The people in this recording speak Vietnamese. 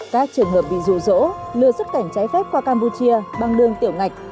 các trường hợp bị rụ rỗ lừa xuất cảnh trái phép qua campuchia bằng đường tiểu ngạch